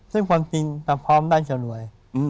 ซึ่งจริงตรับพร้อมได้จะรวย